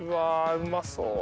うまそう。